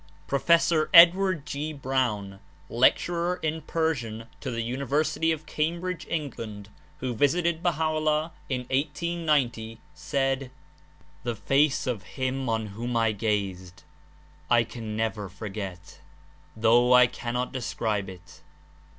Prof. Edward G. Browne, Lecturer in Persian to the University of Cambridge, England, who visited Baha^o'llah in 1890, said: "The face of him on whom I gazed I can never forget, though I cannot des cribe it.